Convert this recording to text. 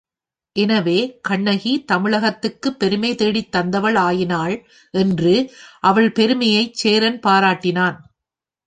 எனவே கண்ணகி தமிழகத்துக்குப் பெருமை தேடித் தந்தவள் ஆயினாள் என்று அவள் பெருமையைச் சேரன் பாராட்டினான்.